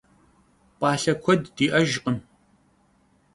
P'alhe kued di'ejjkhım.